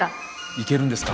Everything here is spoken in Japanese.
行けるんですか？